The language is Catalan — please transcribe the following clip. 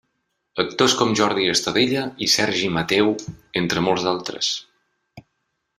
Actors com Jordi Estadella i Sergi Mateu, entre molts d'altres.